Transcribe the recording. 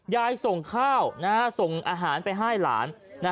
ยายส่งข้าวส่งอาหารไปให้หลาน